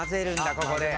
ここで。